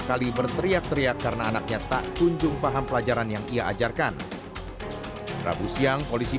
kali berteriak teriak karena anaknya tak kunjung paham pelajaran yang ia ajarkan rabu siang polisi